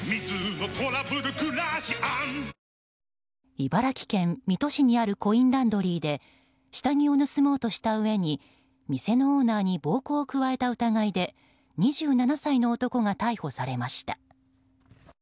茨城県水戸市にあるコインランドリーで下着を盗もうとしたうえに店のオーナーに暴行を加えた疑いで２７歳の男が逮捕されました。